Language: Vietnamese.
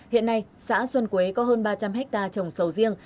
hiện nay xã xuân quế có hơn ba trăm linh hectare trồng sầu riêng